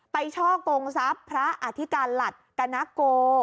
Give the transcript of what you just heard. ไปช่อกงศัพท์พระอธิกรหลัฐกนโก